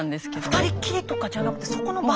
２人っきりとかじゃなくてそこの場でもう既に？